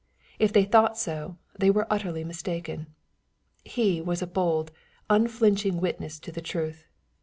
If they thought so, they were utterly mistaken. He was a bold, unflinching witness to the truth.